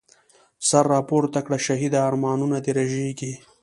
سر راپورته کړه شهیده، ارمانونه دي رژیږی